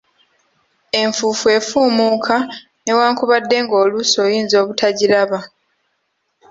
Enfuufu efumuuka, newankubadde ng'oluusi oyinza obutagiraba.